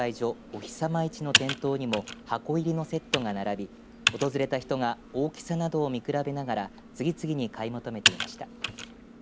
太陽市の店頭にも箱入りのセットが並び訪れた人が大きさなどを見比べながら次々に買い求めていました。